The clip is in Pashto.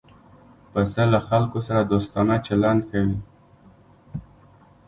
پسه له خلکو سره دوستانه چلند کوي.